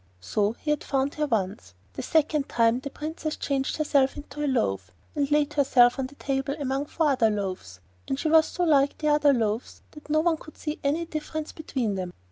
So he had found her once. The second time the Princess changed herself into a loaf, and laid herself on the table among four other loaves; and she was so like the other loaves that no one could see any difference between them.